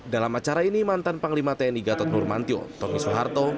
dalam acara ini mantan panglima tni gatot nurmantio tommy soeharto